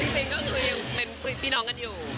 จริงก็คือยังเป็นพี่น้องกันอยู่